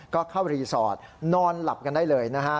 ก็เข้ารีสอร์ทนอนหลับกันได้เลยนะฮะ